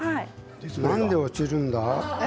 何で落ちるんだ。